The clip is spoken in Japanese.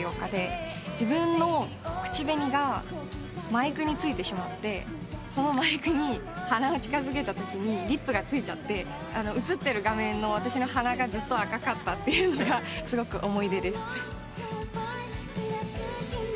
自分の口紅がマイクについてしまってそのマイクに鼻を近づけたときにリップがついちゃって映ってる画面の私の鼻がずっと赤かったというのがすごく思い出です。